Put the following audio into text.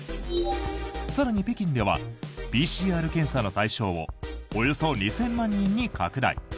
更に北京ではＰＣＲ検査の対象をおよそ２０００万人に拡大。